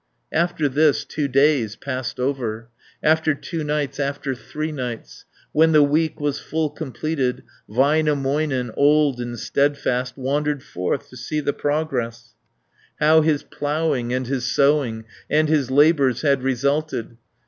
After this, two days passed over, After two nights, after three nights, 350 When the week was full completed, Väinämöinen, old and steadfast, Wandered forth to see the progress; How his ploughing and his sowing And his labours had resulted.